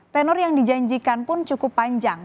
tenor yang dijanjikan pun cukup panjang